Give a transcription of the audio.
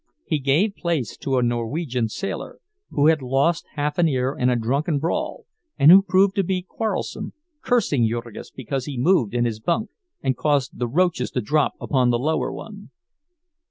He gave place to a Norwegian sailor, who had lost half an ear in a drunken brawl, and who proved to be quarrelsome, cursing Jurgis because he moved in his bunk and caused the roaches to drop upon the lower one.